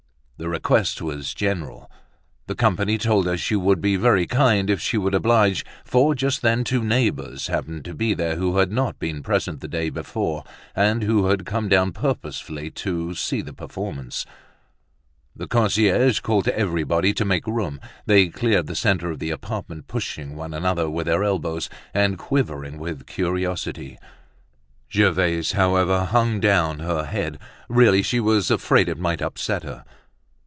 The request was general! The company told her she would be very kind if she would oblige, for just then two neighbors happened to be there who had not been present the day before, and who had come down purposely to see the performance. The concierge called to everybody to make room, they cleared the centre of the apartment, pushing one another with their elbows, and quivering with curiosity. Gervaise, however, hung down her head. Really, she was afraid it might upset her.